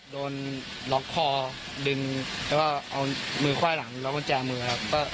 โดนหลอกคอดึงเอามือค่อยหลังหลอกมันแจมือ